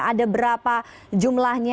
ada berapa jumlahnya